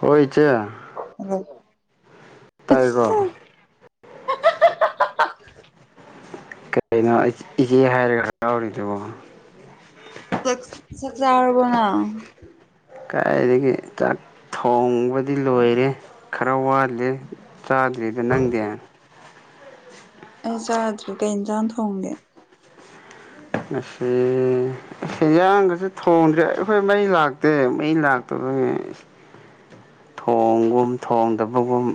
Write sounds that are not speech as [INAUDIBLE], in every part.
ꯍꯣꯏ ꯆꯦ ꯑꯥ ꯀꯩꯅꯣ ꯏꯆꯦ ꯍꯥꯏꯔꯒ ꯌꯥꯎꯔꯤꯗꯨꯕꯣ ꯆꯥꯛ ꯆꯥꯔꯕꯣꯅꯪ ꯀꯥꯏꯗꯒꯤ ꯆꯥꯛ ꯊꯣꯡꯕꯗꯤ ꯂꯣꯏꯔꯦ ꯈꯔ ꯋꯥꯠꯂꯤ ꯆꯥꯗ꯭ꯔꯤꯗ ꯅꯪꯗꯤꯦ ꯑꯩ ꯆꯥꯗ꯭ꯔꯤ ꯀꯩ ꯏꯟꯖꯥꯡ ꯊꯣꯡꯒꯦ ꯁꯦꯟꯌꯥꯡꯒꯁꯦ ꯊꯣꯡꯁ꯭ꯔꯦ ꯑꯩꯈꯣꯏ ꯃꯩ ꯂꯥꯛꯇꯦ ꯃꯩ ꯂꯥꯛꯇꯕꯗ ꯑꯩꯏ [UNINTELLIGIBLE] ꯊꯣꯡꯒꯨꯝ ꯊꯣꯡꯗꯕꯒꯨꯝ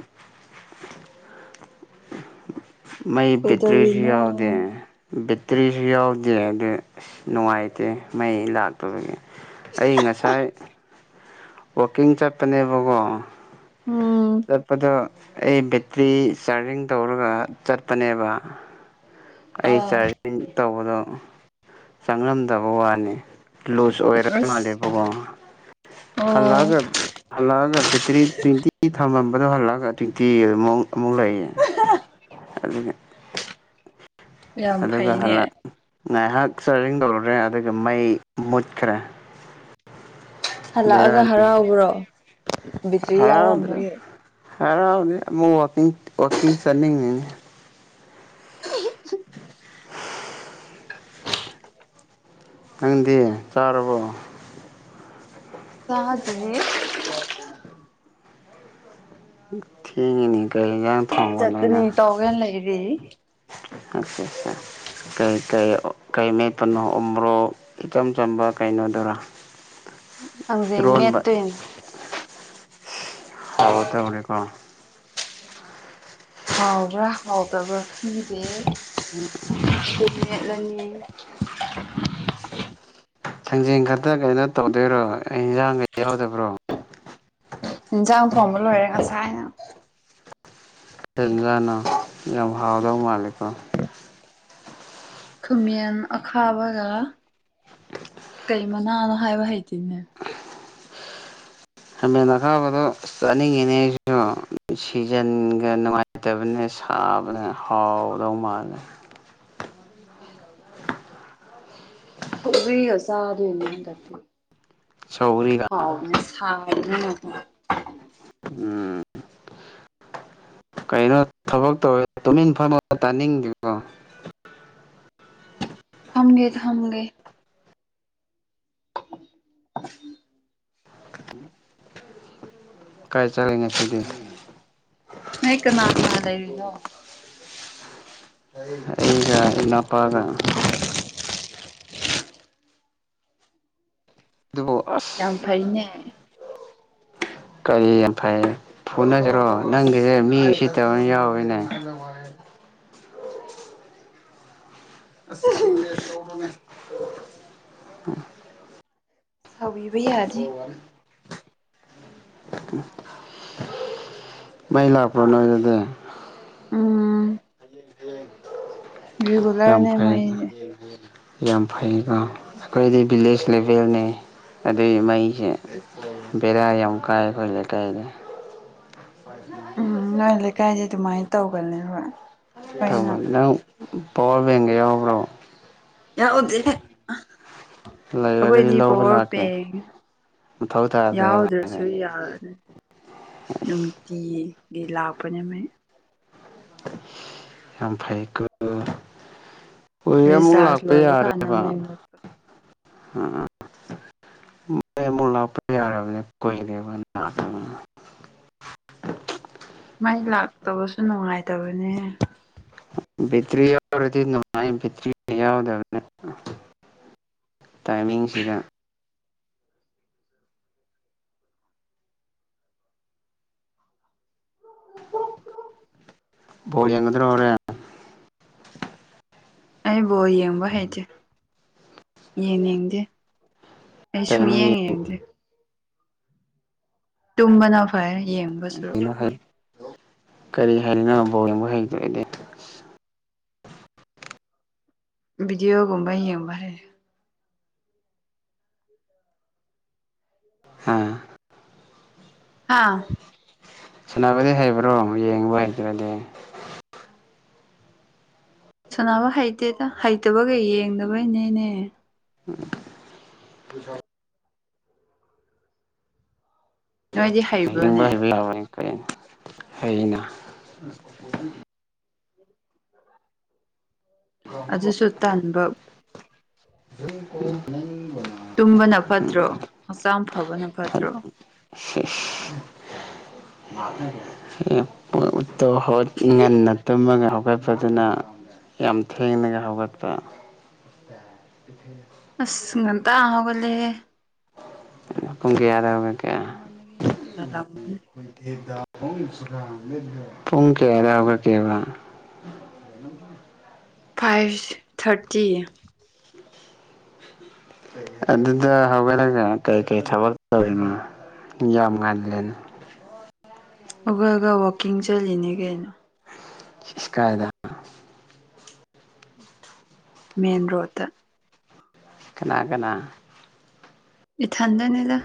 ꯃꯩ ꯕꯦꯇꯔꯤꯁꯨ ꯀꯩꯗꯧꯔꯤꯅꯣ ꯌꯥꯎꯗꯦ ꯇ꯭ꯔꯤꯁꯨ ꯌꯥꯎꯗꯦ ꯑꯗꯨꯗ ꯑꯁ ꯅꯨꯡꯉꯥꯏꯇꯦ ꯃꯩ ꯂꯥꯛꯄꯗꯨꯒꯤ ꯑꯩ ꯉꯁꯥꯏ [UNINTELLIGIBLE] ꯋꯥꯀꯤꯡ ꯆꯞꯇꯅꯦꯕꯒꯣ ꯎꯝ ꯆꯠꯄꯗꯣ ꯑꯩ ꯕꯦꯇ꯭ꯔꯤ ꯆꯥꯔꯖꯤꯡ ꯇꯧꯔꯒ ꯆꯠꯄꯅꯦꯕ ꯑꯩ ꯑꯥ ꯆꯥꯔꯖꯤꯡ ꯇꯧꯕꯗꯣ ꯆꯪꯂꯝꯗꯕ ꯋꯥꯅꯤ ꯂꯨꯁ ꯑꯁ ꯑꯣ ꯑꯣꯏꯔꯦꯕꯒꯒ ꯇꯠ ꯇ꯭ꯋꯦꯟꯇꯤ ꯊꯝꯃꯝꯕꯗꯣ ꯍꯜꯂꯛꯑꯒ ꯇ꯭ꯋꯦꯟꯇꯤ ꯑꯗꯨꯃ ꯑꯃꯨꯛ ꯂꯩꯌꯦ ꯑꯗꯨ ꯌꯥꯝ ꯑꯗꯨꯒ ꯐꯩꯅꯦ ꯍꯜꯂꯛ ꯉꯥꯏꯍꯥꯛ ꯆꯔꯖꯡ ꯇꯧꯔꯨꯔꯦ ꯑꯗꯨꯒ ꯃꯩ ꯃꯨꯠꯈ꯭ꯔꯦ ꯍꯜꯂꯛꯑꯒ ꯕꯦꯔꯥꯅꯤ ꯍꯔꯥꯎꯕ꯭ꯔꯣ ꯕꯦꯇ꯭ꯔꯤ ꯌꯥꯎꯔꯝꯕꯒꯤ ꯍ ꯁ [UNINTELLIGIBLE] ꯅꯪꯗꯤ ꯆꯥꯔꯕꯣ ꯁꯥꯗꯔꯦ ꯊꯅꯤ ꯀꯩꯒ ꯆꯠꯠꯇꯅꯤ ꯇꯧꯒꯅ ꯂꯩꯔꯤ ꯀꯩꯩ ꯀꯩ ꯃꯦꯠꯄꯅꯣ ꯎꯃꯣꯔꯣꯛ ꯏꯆꯝ ꯆꯝꯕ ꯀꯩ ꯅꯣꯗꯔꯥ ꯍꯪꯖꯤꯡ ꯃꯦꯠꯇꯣꯏꯅꯦ ꯍꯥꯥꯎꯗꯧꯔꯦꯀꯣ ꯍꯥꯎꯕ꯭ꯔꯥ ꯍꯥꯎꯗꯕ꯭ꯔꯥ ꯈꯪꯗꯦ ꯎꯝ ꯌꯦꯠ ꯂꯩꯅꯤ ꯊꯥꯡꯖꯦꯟ ꯈꯛꯇ ꯀꯩꯅꯣ ꯇꯧꯗꯣꯏꯔꯣ ꯑꯩ ꯏꯟꯖꯥꯡꯒꯩ ꯌꯥꯎꯗꯕ꯭ꯔꯣ ꯏꯟꯁꯥꯡ ꯊꯣꯡꯕ ꯂꯣꯏꯔꯦ ꯉꯁꯥꯏ ꯍꯥꯏꯅ ꯇꯂꯦꯡꯒꯥꯅꯥ ꯌꯥꯝ ꯍꯥꯎꯗꯕ ꯃꯥꯜꯂꯤꯀꯣ ꯈꯃꯤꯟ ꯑꯈꯥꯕ ꯀꯩ ꯃꯅꯥꯅꯣ ꯍꯥꯏꯕ ꯍꯩꯇꯅꯦ ꯍꯃꯦ ꯅꯈꯥꯕꯣ ꯁꯟ ꯏꯅꯦꯖꯣ ꯁꯤꯖꯟꯒ ꯅꯨꯡꯉꯥꯏꯇꯕꯅꯦ ꯁꯥꯕꯅꯦ ꯍꯥꯎꯗꯧ ꯃꯥꯜꯂꯦ [UNINTELLIGIBLE] ꯁ ꯑꯁꯥ ꯑꯗꯨꯅꯗ ꯑꯗꯨꯅ ꯁꯧꯒ꯭ꯔꯤꯒ ꯍꯥꯎꯅꯦ ꯎꯝ ꯀꯩꯅꯣ ꯊꯕꯛ ꯇꯧꯋꯦ ꯇꯨꯃꯤꯟꯐꯝꯃꯗ ꯇꯥꯅꯤꯡꯈꯤꯕꯀꯣ ꯊꯒꯦ ꯊ ꯊꯒꯦ [UNINTELLIGIBLE] ꯎꯝ ꯀꯥꯏ ꯆꯂ ꯉꯁꯤꯗꯤꯦ ꯅꯣꯏ ꯀꯅꯥ ꯀꯅꯥ ꯂꯩꯔꯤꯅꯣ ꯑꯩꯒ ꯏ ꯅꯨꯄꯥꯒ [UNINTELLIGIBLE] ꯑꯗꯨꯕꯨ ꯑꯁ ꯌꯥꯝ ꯐꯩꯅꯦ ꯀꯒꯥꯔꯤ ꯌꯥꯝꯐꯩ ꯐꯨꯅꯖ ꯭ꯔꯣ ꯅꯪꯒꯤꯁꯦ ꯃꯤ ꯁꯤꯠꯇꯕꯅ ꯌꯥꯎꯋꯤꯅꯦ ꯑꯁꯀꯦ ꯇꯕꯅꯦ ꯁꯥꯎꯕꯤꯕꯩꯌꯥꯖꯤ [UNINTELLIGIBLE] ꯃꯩꯂꯥ ꯄꯨ꯭ꯔꯅ ꯑꯣꯏꯗ ꯎꯝ ꯌꯥꯝ ꯔꯤꯒꯨꯂꯔꯅꯦ ꯐꯩꯗ ꯃꯩꯁꯦ ꯌꯥꯝ ꯐꯩꯀꯣ ꯑꯩꯈꯣꯏꯗꯤ ꯚꯤꯂꯦꯖ ꯂꯦꯚꯦꯜꯅꯤ ꯑꯗꯨꯏ ꯃꯩꯁꯦ ꯕꯦꯔꯥ ꯌꯥꯝ ꯀꯥꯏ ꯑꯩꯈꯣꯏ ꯂꯩꯀꯥꯏꯗ [UNINTELLIGIBLE] ꯎꯝ ꯅꯣꯏ ꯂꯩꯀꯥꯏꯗꯤ ꯑꯗꯨꯃꯥꯏꯅ ꯇꯧꯒꯅꯤ ꯍꯣꯏ ꯇꯅꯤ ꯅꯪ ꯕꯣꯔꯕꯦꯡꯒꯦ ꯌꯥꯎꯕ꯭ꯔꯣ ꯌꯥꯗꯤ ꯂꯩꯔꯒꯗꯤ ꯑꯩꯈꯣꯏꯗꯤ ꯂꯧꯕ ꯄꯋꯥꯔ ꯂꯥꯛꯀꯦ ꯕꯦꯡ ꯃꯊꯧ ꯇꯥꯗ꯭ꯔꯦꯕ ꯌꯥꯎꯗ꯭ꯔꯁꯨ ꯌꯥ ꯅꯨꯡꯇꯤꯒꯤ ꯂꯥꯛꯄꯅꯦꯃꯤ ꯌꯥꯝ ꯐꯩꯀ ꯑꯣꯏ ꯃ ꯔꯤꯆꯥꯔꯖ ꯑꯄ ꯂꯣꯏꯕ ꯌꯥꯔꯦ ꯀꯥꯟꯗ ꯃ ꯃꯩ ꯃꯨꯠꯄ ꯃꯂ ꯄꯔꯅꯦ ꯀꯣꯏ ꯂꯩꯕ ꯊ ꯃꯩ ꯂꯥꯛꯇꯕꯁꯨ ꯅꯨꯡꯉꯥꯏꯇꯕꯅꯦ ꯚꯦꯛꯇ꯭ꯔꯤ ꯌꯥꯎꯔꯗꯤ ꯅꯨꯡꯉꯥꯏ ꯕꯦꯛꯇꯔꯤ ꯌꯥꯎꯗꯕꯅꯦ ꯇꯥꯏꯃꯤꯡꯁꯤꯗ ꯍ ꯣ ꯑꯉꯗ ꯑꯣꯔꯌꯥꯅ ꯑꯩꯕꯨꯣ ꯌꯦꯡꯕ ꯍꯥꯏꯩꯁꯦ ꯌꯦꯡ ꯌꯦꯡꯗꯦ ꯑꯩ ꯁꯃ ꯀꯩꯅꯣ ꯌꯥꯉ ꯌꯦꯗꯤ ꯇꯨꯝꯕꯅ ꯐꯥꯏ ꯀꯔꯤ ꯍꯥꯏꯔꯤꯅꯣꯕꯣꯕ ꯍꯩꯗꯗꯤ ꯗꯤꯒꯨꯝꯕ ꯌꯦꯡꯕꯔꯦ ꯍꯥꯥ ꯍꯥꯥ ꯁꯥꯟꯅꯕꯗꯤ ꯍꯩꯕ꯭ꯔꯣ ꯑꯃꯨꯛ ꯌꯦꯡꯕ ꯍꯩꯇ꯭ꯔꯗꯤ ꯁꯅꯕ ꯍꯩꯇꯦꯗ ꯍꯩꯇꯕꯒ ꯌꯦꯡꯗꯕꯩꯅꯦꯅꯦ ꯖ ꯅꯣꯏꯗꯤ ꯌꯦꯡꯕ ꯍꯩꯕ꯭ꯔꯣꯅꯦ ꯍꯥꯏꯕ ꯌꯥꯕꯅꯤ ꯀ ꯍꯅ ꯑꯗꯨꯁꯨ ꯇꯟꯥꯟꯕ [UNINTELLIGIBLE] ꯇꯨꯝꯕꯅ ꯐꯠꯇ꯭ꯔꯣ ꯍꯛꯆꯥꯡ ꯐꯕꯅ ꯐꯠꯇ꯭ꯔꯣ ꯍ ꯉꯟꯅ ꯇꯨꯝꯃꯒ ꯍꯧꯒꯠꯄꯗꯨꯅ ꯌꯥꯝ ꯊꯦꯡꯅꯒ ꯍꯧꯒꯠꯄ ꯏ ꯑꯁ ꯉꯇ ꯍꯧꯒꯂꯦ ꯒꯤ ꯌꯥꯔ ꯅꯃꯅꯦꯒ ꯍꯦꯅꯤ ꯄꯨꯡ ꯀ ꯑꯂꯕꯒ ꯀꯦꯕꯥ ꯐꯥꯏꯚ ꯊꯥꯔꯇꯤ ꯑꯗꯨ ꯑꯗꯨꯗ ꯍꯧꯒ ꯀ ꯀꯩ ꯀꯩ ꯊꯕꯔ ꯌꯥꯝꯝꯒꯥꯟꯂꯅ ꯑꯒꯒ ꯋꯥꯋꯀꯤꯡ ꯆꯠꯂꯤꯅꯦ ꯀꯩꯅꯣ ꯆꯠꯀꯥꯏꯗ ꯃꯦꯟ ꯔꯣꯗ ꯀꯅꯥ ꯀꯅꯥ ꯏ ꯊ ꯍꯗꯅꯦꯗ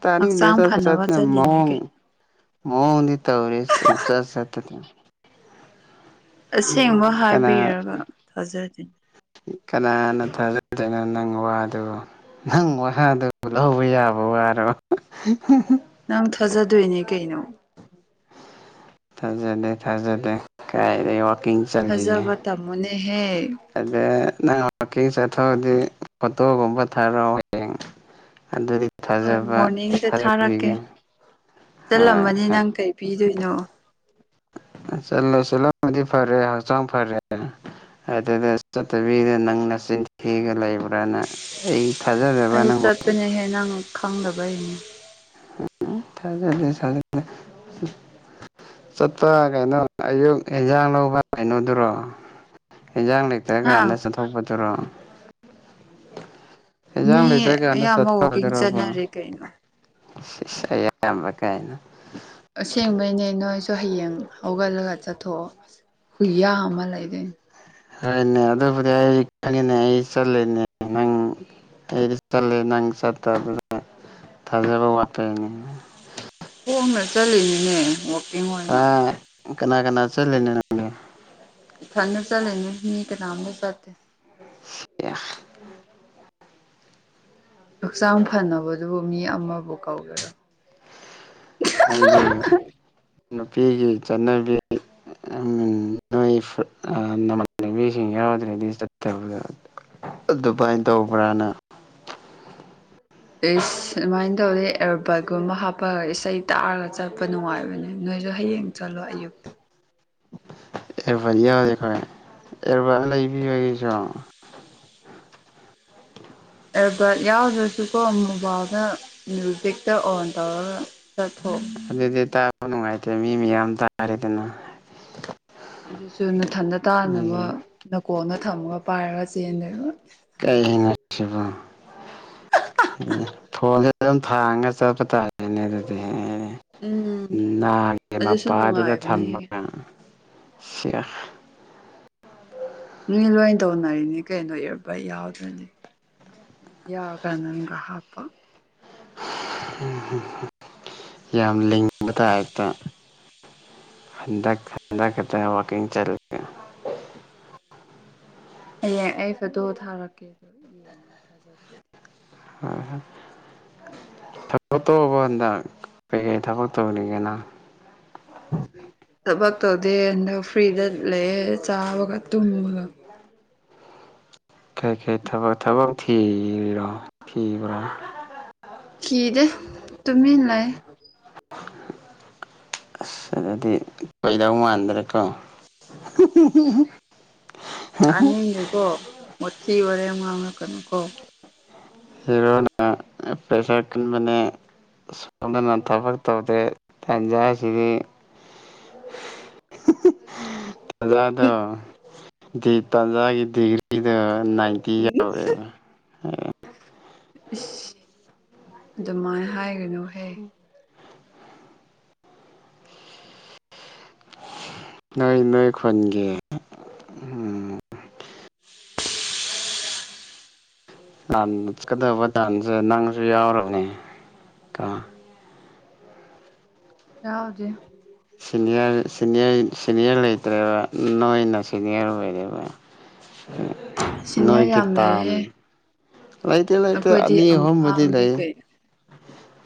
ꯇꯥꯔ ꯍꯛꯆꯥꯡ ꯅꯦꯁ ꯆ ꯐꯅꯕ ꯆꯠꯂꯤꯅꯤ ꯀꯩꯅꯣ ꯃꯑꯣ ꯍꯗꯤ ꯇ ꯑꯣꯏꯔꯤꯦꯁ ꯆ ꯑꯁꯦꯡꯕ ꯀꯅꯥ ꯍꯥꯏꯕꯤꯔꯒ ꯊꯥꯖꯗꯅꯤ ꯀꯅꯥꯅ ꯊꯖ ꯑꯗꯨ ꯅꯪ ꯋꯥꯗꯨꯣ ꯅꯪ ꯋꯥꯍꯥꯗꯨ ꯂꯧꯕ ꯌꯥꯕ ꯋꯥꯔꯣ ꯅꯪ ꯊꯥꯖꯗꯣꯏꯅꯦ ꯀꯩꯅꯣ ꯊꯥꯖꯗꯦ ꯊꯥꯖꯗꯦ ꯀꯥꯏꯗ ꯋꯥꯋꯥꯛꯀꯤꯡ ꯆꯌꯦ ꯊꯥꯖꯕ ꯇꯝꯃꯨꯅꯦꯍꯦ ꯑꯗꯦ ꯀꯤꯡ ꯆꯠꯊꯣꯛꯑꯗꯤ ꯐꯣꯇꯣꯒꯨꯝꯕ ꯊꯥꯔꯛꯑꯣ ꯍꯌꯦꯡ ꯑꯗꯨꯗꯤ ꯍꯣꯏ ꯊꯥꯖꯕ ꯃꯣꯔꯅꯤꯡꯗ ꯊꯥꯖꯕꯤꯒꯦ ꯊꯥꯔꯛꯀꯦ ꯍꯣꯏ ꯆꯠꯂꯝꯃꯅꯤ ꯅꯪ ꯀꯩ ꯄꯤꯗꯣꯏꯅꯣ ꯁꯁꯂꯗꯤ ꯐꯔꯦ ꯍꯁꯥꯡ ꯐꯔꯦ ꯑꯗꯨꯗ ꯆꯠꯇꯕꯤꯗ ꯅꯪꯅ ꯆꯤꯟꯊꯤꯒ ꯂꯩꯕ꯭ꯔꯥꯅ ꯑꯩ ꯊꯥꯖꯗꯕ ꯑꯩ ꯅꯪꯕꯨ ꯆꯠꯄꯅꯦꯍꯦꯟꯅꯪ ꯈꯪꯗꯕ ꯑꯩꯅꯤ ꯎ ꯊꯖꯦ ꯊꯖꯦ ꯆꯠꯄ ꯀꯩꯅꯣ ꯑꯌꯨꯛ ꯑꯦꯟꯖꯥꯡ ꯂꯧꯕ ꯀꯩꯅꯣꯗꯨꯔꯣ ꯍꯟꯖꯥꯡ ꯂꯩꯇ꯭ꯔ ꯍꯥ ꯀꯥꯟꯗ ꯆꯠꯊꯣꯛꯄꯗꯨꯔꯣ ꯃꯤ ꯍꯟꯖꯥꯡ ꯂꯩꯇ꯭ꯔ ꯀꯦꯗ ꯑꯌꯥꯝꯕ ꯋꯥꯛꯀꯤꯡ ꯆꯠꯊꯗꯔꯕ ꯆꯠꯅꯔꯦ ꯀꯩꯅꯣ ꯁ ꯑꯃꯔ ꯀꯥꯏꯅ ꯑꯁꯦꯡꯕꯩꯅꯦ ꯅꯣꯏꯁꯨ ꯍꯌꯦꯡ ꯍꯧꯒꯠꯂꯒ ꯆꯠꯊꯣꯛꯑꯣ ꯍꯨꯏꯌꯥ ꯑꯃ ꯂꯩꯗꯤ ꯍꯣꯏꯅꯦ ꯑꯗꯨꯕꯨꯗꯤ ꯑꯩ ꯈꯅꯤꯅꯦ ꯑꯩ ꯆꯠꯂꯤꯅꯦ ꯅꯪ ꯑꯩꯗꯤ ꯆꯠꯂꯦ ꯅꯪ ꯆꯠꯇꯕꯗ ꯊꯥꯖꯕ ꯋꯥꯠꯄꯩꯅꯤ ꯀꯣꯝꯅ ꯆꯠꯂꯤꯅꯤꯅꯦ ꯋꯀꯤꯡ ꯑꯣꯏꯅ ꯀꯅꯥ ꯀꯅꯥ ꯀꯅꯥ ꯆꯠꯂꯅꯦ ꯅꯪ ꯏ ꯊꯅ ꯆꯂꯅꯦ ꯃꯤ ꯀꯅꯥꯝꯅ ꯆꯦ ꯑꯦ ꯍꯛꯆꯥꯡ ꯐꯅꯕꯗꯨꯕꯨ ꯃꯤ ꯑꯃꯕꯨ ꯀꯧꯒꯦꯔꯣ ꯍꯥꯏꯗꯤ ꯅꯨꯄꯤꯒꯤ ꯆꯠꯅꯕꯤ ꯎ ꯅꯃꯥꯟꯅꯕꯤꯁꯤꯡ ꯌꯥꯎꯗ꯭ꯔꯗꯤꯕ ꯑꯗꯨꯃꯥꯏꯅ ꯇꯧꯕ꯭ꯔꯥꯅ [UNINTELLIGIBLE] ꯏꯁ ꯑꯗꯨꯃꯥꯏꯅ ꯇꯧꯔꯦ ꯑꯦꯔꯣꯕꯥꯠꯀꯨꯝꯕ ꯍꯥꯞꯄꯒ ꯏꯁꯩ ꯇꯥꯔꯒ ꯆꯠꯄ ꯅꯨꯡꯉꯥꯏꯕꯅꯦ ꯅꯣꯏ ꯍꯥꯏꯁꯨ ꯍꯌꯦꯡ ꯆꯠꯂꯣ ꯑꯌꯨꯛꯇ ꯑꯦꯚꯗꯤ ꯌꯥꯎꯔꯦ ꯑꯩꯈꯣꯏ ꯑꯦꯔꯕ ꯂꯩꯕꯤꯕꯒꯤꯁꯨ ꯑꯦꯜꯕꯥꯔꯠ ꯌꯥꯎꯗ꯭ꯔꯁꯨꯀꯣ ꯃꯣꯕꯥꯏꯜꯗ ꯃ꯭ꯌꯨꯖꯤꯛꯇ ꯑꯣꯟ ꯇꯧꯔꯒ ꯆꯠꯊꯣꯛ ꯑꯗꯨꯗꯤ ꯇꯥꯕ ꯅꯨꯡꯉꯥꯏꯇꯦ ꯃꯤ ꯃꯌꯥꯝ ꯇꯥꯔꯦꯗꯅ ꯑꯗꯨꯁꯨ ꯅꯊꯟꯗ ꯇꯥꯅꯕ ꯃꯤꯒꯤ ꯅꯀꯣꯟꯅ ꯊꯝꯃꯒ ꯄꯥꯏꯔꯒ ꯆꯦꯟꯗꯕ ꯀꯔꯤ ꯍꯥꯏꯟꯅꯁꯤꯕ ꯎ ꯐꯣꯟꯁ ꯑꯗꯨꯝ ꯊꯥꯡꯉꯒ ꯆꯠꯄ ꯇꯥꯔꯦꯅꯦ ꯑꯗꯨꯗꯤ ꯎꯝ ꯅꯥꯒꯦ ꯑꯗꯨꯁꯨ ꯃꯄꯥꯗꯨꯗ ꯅꯨꯡꯉꯥꯏꯕꯅꯦꯍꯦ ꯊꯝꯃꯒ ꯁꯤꯈ ꯃꯤ ꯂꯣꯏ ꯇꯧꯅꯔꯤꯅꯤ ꯀꯩꯅꯣ ꯏꯄ ꯌꯥꯎꯗ꯭ꯔꯅꯤ ꯌꯥꯔ ꯀꯥꯟꯗꯪꯒ ꯍꯥꯞꯄ ꯌꯥꯝ ꯂꯤꯡꯕꯗꯥꯏ ꯍꯦꯛꯇ ꯗ ꯈꯥꯟꯗ ꯈꯗ ꯋꯥꯀꯤꯡ ꯆꯠꯦ ꯍꯌꯦꯡ ꯑꯩ ꯐꯗꯣ ꯊꯥꯔꯛꯀꯦꯗꯣ ꯌꯦꯡꯉꯣ ꯊꯥꯖꯗ꯭ꯔꯗꯤ ꯍꯣꯏ ꯍꯣꯏ ꯊꯥꯕꯠꯇꯣꯛꯑꯕ ꯍꯟꯗ ꯀꯩꯀꯩ ꯊꯥꯕ ꯇꯧꯔꯤꯒꯦꯅ ꯎ ꯊꯕꯛ ꯇꯧꯗꯦ ꯍꯟꯗꯛ ꯐ꯭ꯔꯤꯗ ꯂꯩꯑꯦ ꯆꯥꯕꯒ ꯇꯨꯝꯕꯒ ꯀꯔꯤꯀꯔꯤ ꯊꯕ ꯊꯕꯛ ꯊꯤꯔꯤꯔꯣ ꯊꯤꯕ꯭ꯔꯥ ꯀꯗꯦ ꯇꯨꯃꯤ ꯂ ꯑꯁ ꯑꯗꯨꯗꯤ ꯀꯩꯗꯧ ꯃꯥꯟꯗ꯭ꯔꯦꯀꯣ ꯑꯥꯅꯤꯅꯦꯀꯣ ꯃꯣꯊꯤ ꯋꯥꯔꯦꯝ ꯉꯥꯡꯉꯛꯀꯅꯨꯀꯣ ꯍꯤꯔꯣꯅ ꯄꯦꯁꯥ ꯀꯟꯕꯅꯦ ꯁꯣꯗꯅ ꯊꯕꯛ ꯇꯧꯗꯦ ꯇꯟꯖꯥꯁꯤꯗꯤ ꯖꯗꯣ ꯗꯤ ꯇꯥꯟꯖꯥꯒꯤ ꯗꯤꯒ꯭ꯔꯤꯗ ꯅꯥꯏꯗꯤ ꯏ ꯌꯥꯎꯦ ꯑꯗꯨꯃꯥꯏꯅ ꯍꯥꯏꯒꯅꯨꯍꯦ ꯅꯣꯏ ꯅꯣꯏ ꯈꯒ ꯎꯝ [UNINTELLIGIBLE] ꯆꯠꯀꯗꯕ ꯇꯥꯟꯁꯦ ꯅꯪꯁꯨ ꯌꯥꯎꯔꯕꯅꯦ ꯀ ꯌꯥ ꯍꯧꯖꯤꯦ ꯁꯤꯅꯤꯌꯔ ꯁꯤꯅꯤꯔ ꯁꯤꯅꯤꯌꯔ ꯂꯩꯇ꯭ꯔꯦꯕ ꯏꯣꯩꯅ ꯁꯤꯅꯤꯌꯔ ꯑꯣꯏꯔꯦꯕ [UNINTELLIGIBLE] ꯁꯤꯅꯤꯌꯔ ꯅꯣꯏꯒꯤ ꯌꯥꯝ ꯇꯥꯡ ꯂꯩꯌꯦꯍꯦ ꯂꯩꯇꯦ ꯂꯩꯇꯦ ꯑꯩꯈꯣꯏꯗꯤ ꯑꯅꯤ ꯑꯍꯨꯝꯕꯨꯗꯤ ꯑꯉꯥꯡꯅꯤ ꯂꯩ ꯀꯩꯅꯣ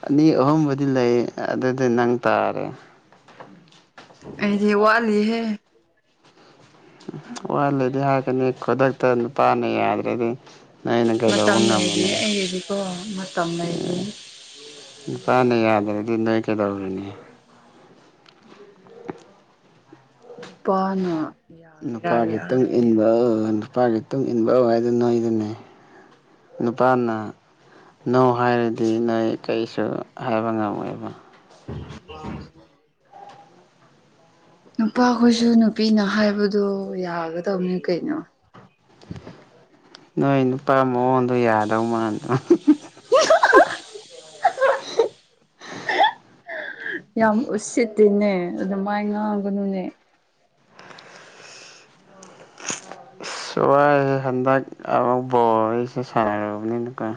ꯑꯅꯤ ꯑꯍꯨꯝꯕꯨꯗꯤ ꯂꯩ ꯑꯗꯨꯗꯤ ꯅꯪ ꯇꯥꯔꯦ ꯑꯩꯗꯤ ꯋꯥꯂꯤꯍꯦ ꯎ ꯋꯥꯠꯂꯗꯤ ꯍꯥꯏꯀꯅꯤ ꯈꯨꯗꯛꯇ ꯄꯥꯅ ꯌꯥꯗ꯭ꯔꯗꯤ ꯑꯩꯅ ꯀꯩꯗꯧꯕ ꯃꯇꯝ ꯂꯩꯔꯤ ꯉꯝꯝꯕꯅꯤ ꯑꯩꯒꯤꯗꯤꯀꯣ ꯃꯇꯝ ꯂꯩꯔꯤ ꯅꯨꯄꯥꯅ ꯌꯥꯗ꯭ꯔꯗꯤ ꯅꯣꯏ ꯀꯩꯗꯧꯔꯤꯅꯤ ꯅꯨꯄꯥꯅ ꯌꯥꯒꯦꯔꯥ ꯅꯨꯄꯥꯒꯤ ꯃꯇꯨꯡꯨꯡ ꯌꯥꯔꯣꯏꯒꯦꯔꯥ ꯏꯟꯕ ꯅꯨꯄꯥꯒꯤ ꯃꯇꯨꯡꯨꯡ ꯏꯟꯕꯧ ꯍꯥꯏꯗ ꯅꯣꯏꯗꯨꯅꯦ ꯅꯨꯄꯥꯅ ꯅꯣ ꯍꯥꯏꯔꯗꯤ ꯅꯣꯏ ꯀꯔꯤꯁꯨ ꯍꯥꯏꯕ ꯉꯝꯃꯣꯏꯕ ꯑ ꯅꯨꯄꯥꯈꯣꯏꯁꯨ ꯅꯨꯄꯤꯅ ꯍꯥꯏꯕꯗꯣ ꯌꯥꯒꯗꯧꯅꯤ ꯀꯩꯅꯣ [UNINTELLIGIBLE] ꯅꯣꯏ ꯅꯨꯄꯥ ꯃꯑꯣꯡꯗꯣ ꯌꯥꯗꯧ ꯃꯜꯗꯣ [UNINTELLIGIBLE] ꯌꯥꯝ ꯎꯁꯤꯛꯇꯅꯦ ꯑꯗꯨꯗ ꯃꯥꯏ ꯉꯥꯡꯒꯅꯨꯅꯦ ꯁꯋꯥꯏ ꯍꯟꯗꯛ ꯑꯃꯨꯛ ꯕꯣꯔ ꯑꯩꯁꯦ ꯁꯥꯟꯅꯨꯔꯕꯅꯤꯅꯀꯣ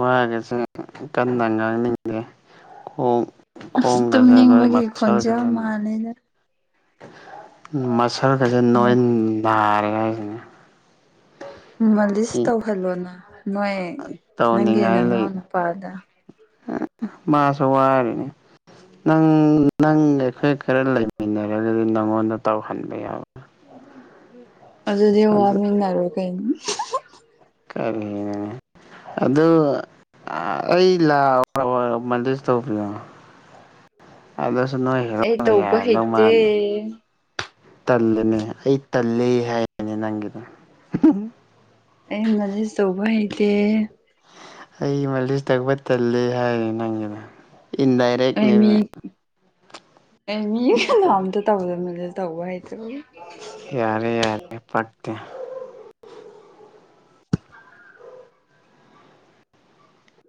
ꯋꯥꯒꯁꯦ ꯀꯟꯅ ꯉꯥꯡꯅꯤꯡꯗꯦ ꯑꯣꯣꯡ ꯑꯁ ꯈꯣꯡ ꯀꯁ ꯂꯣꯏ ꯇꯨꯝꯅꯤꯡꯕꯒꯤ ꯃꯔ ꯀ ꯈꯣꯟꯖꯦꯜ ꯃꯥꯜꯂꯦꯗ ꯃꯁꯜꯒꯁꯦ ꯑꯦ ꯅꯣꯏ ꯊꯥꯔꯦ ꯍꯥꯏꯁꯤꯅꯦ ꯃꯥ ꯂꯤꯁ ꯇꯧꯍꯜꯂꯣꯅ ꯅꯣꯏ ꯅꯪꯒꯤ ꯅꯅꯎ ꯅꯨꯄꯥꯗ ꯃꯥꯁ ꯋꯥꯔꯅꯦ ꯅꯪ ꯅꯪ ꯑꯩꯈꯣꯏ ꯈꯔ ꯂꯩꯃꯤꯟꯅꯔꯦ ꯑꯗꯨꯗꯤ ꯅꯪꯉꯣꯟꯗ ꯇꯧꯍꯟꯕ ꯌꯥꯎꯕ ꯑꯗꯨ ꯑꯗꯨꯗꯤ ꯋꯥꯔꯃꯤꯡꯔ ꯀꯩꯅ ꯀꯔꯦꯅ ꯑꯗꯨ ꯑꯩ ꯃꯦꯅꯦꯖ ꯇꯧꯕꯤꯌꯣ ꯑꯗꯣꯁꯅꯣꯏ ꯑꯩ ꯇꯧꯕ ꯍꯩꯇꯦ ꯍꯦꯔꯅꯃꯥꯟ ꯇꯜꯂꯅꯦ ꯑꯩ ꯇꯜꯂꯦ ꯍꯥꯏꯕꯅꯦ ꯅꯪꯒꯤꯗ ꯑꯩ ꯃꯂꯖ ꯇꯧꯕ ꯍꯩꯇꯦ ꯑꯩ ꯃꯂꯤꯁ ꯇꯛꯄ ꯇꯜꯂꯦ ꯍꯥꯏꯔꯦ ꯅꯪꯒꯤꯗ ꯏꯟꯗꯥꯏꯔꯦꯦꯛ ꯅ ꯑꯦ ꯃꯤꯂꯣ ꯑꯇ ꯇꯧꯗ ꯃ ꯇꯧꯧꯕꯕ ꯍꯥꯏ ꯌꯥꯔꯦ ꯌꯥꯔꯦ ꯄꯥꯛꯇꯦ